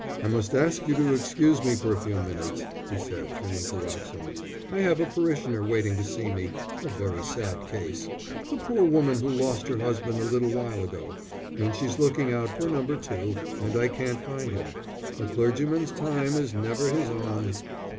"I must ask you to excuse me for a few minutes," he said, turning to Wroxham. "I have a parishioner waiting to see me a very sad case. A poor woman who lost her husband a little while ago; and she's looking out for number two, and can't find him. A clergyman's time is never his own."